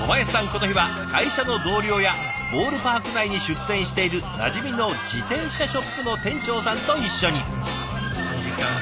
この日は会社の同僚やボールパーク内に出店しているなじみの自転車ショップの店長さんと一緒に。